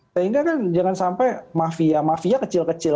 sehingga kan jangan sampai mafia mafia kecil kecil